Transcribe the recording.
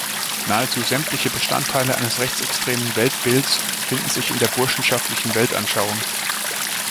Nahezu sämtliche Bestandteile eines rechtsextremen Weltbildes finden sich in der burschenschaftlichen Weltanschauung“".